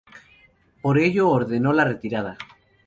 Por ello ordenó la retirada.